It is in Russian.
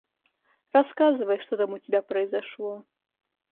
Рассказывай, что там у тебя произошло.